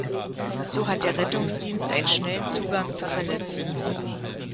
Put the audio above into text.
So hat der Rettungsdienst einen schnellen Zugang zu Verletzten.